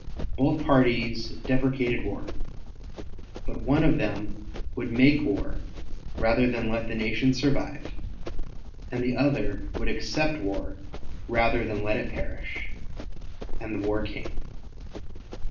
Both parties deprecated war; but one of them would make war rather than let the nation survive, and the other would accept war rather than let it perish; and the war came.